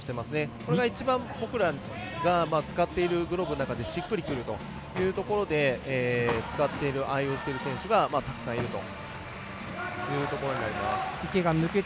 これが一番、僕らが使っているグローブの中でしっくりくるというところで使っている、愛用している選手がたくさんいますね。